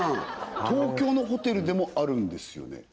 東京のホテルでもあるんですよね？